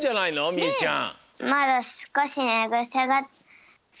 みゆちゃん。